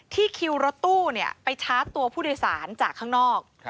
คิวรถตู้ไปชาร์จตัวผู้โดยสารจากข้างนอก